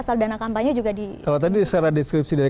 karena ini adalah tradisi baru